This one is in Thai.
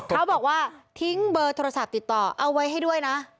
เขาบอกว่าทิ้งเบอร์โทรศัพท์ติดต่อเอาไว้ให้ด้วยนะ